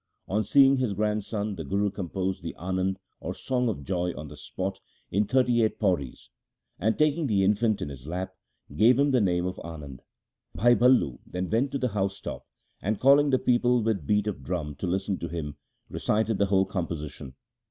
On seeing his grandson, the Guru composed the Anand or Song of Joy on the spot, in thirty eight pauris, and taking the infant in his lap gave him the name of Anand. Bhai Ballu then went on the housetop, and, calling the people with beat of drum to listen to him, recited the whole composition.